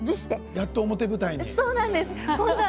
やっと表舞台に。